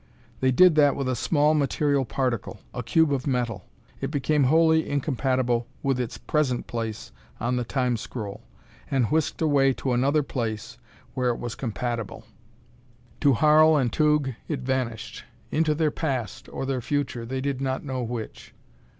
They did that with a small material particle a cube of metal. It became wholly incompatible with its Present place on the Time scroll, and whisked away to another place where it was compatible. To Harl and Tugh, it vanished. Into their Past, or their Future: they did not know which.